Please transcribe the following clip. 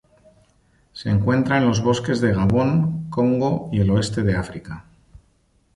Se encuentra en los bosques de Gabón, Congo y el oeste de África.